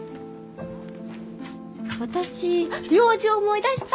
私用事思い出した！